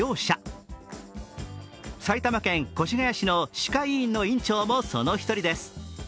今回の埼玉県越谷市の歯科医院の院長もその一人です。